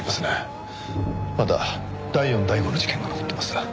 まだ第四第五の事件が残ってます。